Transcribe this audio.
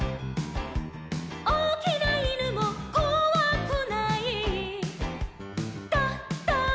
「おおきないぬもこわくない」「ドド」